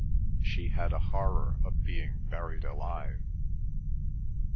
She had a horror of being buried alive.